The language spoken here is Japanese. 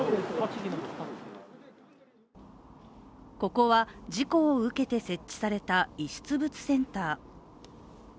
ここは事故を受けて設置された遺失物センター。